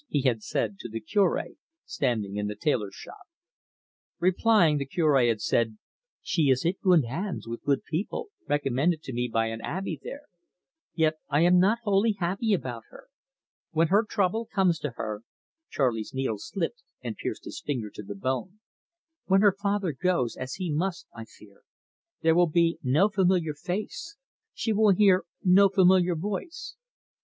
he had said to the Cure, standing in the tailor's shop. Replying, the Cure had said: "She is in good hands, with good people, recommended to me by an abbe there; yet I am not wholly happy about her. When her trouble comes to her" Charley's needle slipped and pierced his finger to the bone "when her father goes, as he must, I fear, there will be no familiar face; she will hear no familiar voice."